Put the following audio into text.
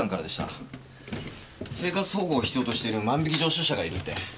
生活保護を必要としている万引き常習者がいるって。